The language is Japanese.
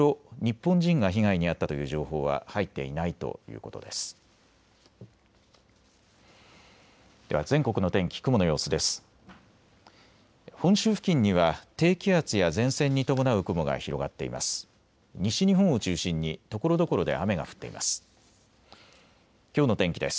本州付近には低気圧や前線に伴う雲が広がっています。